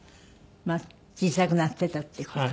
小さくなっていたっていう事を。